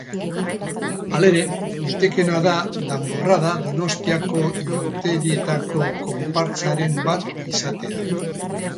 Halere, litekeena da Danborrada Donostiako inauterietako konpartsaren bat izatea.